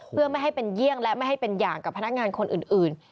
เพื่อไม่ให้เป็นเยี่ยงและไม่ให้เป็นอย่างกับพนักงานคนอื่น